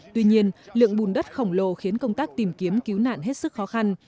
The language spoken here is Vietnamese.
tuy nhiên lượng bùn đất khổng lồ khiến công tác tìm kiếm cứu nạn hết sức khó khăn